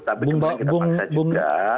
tapi kemudian kita paksa juga